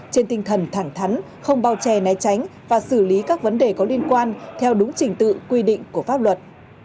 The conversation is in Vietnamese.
trên tinh thần thẳng thắn không bao che né tránh và xử lý các vấn đề có liên quan theo đúng trình tự quy định của pháp luật